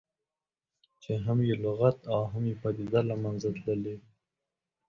چې هم یې لغت او هم یې پدیده له منځه تللې ده.